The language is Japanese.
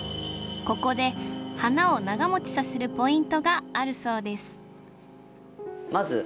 ここで花を長もちさせるポイントがあるそうです